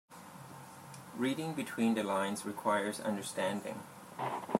Reading between the lines requires understanding.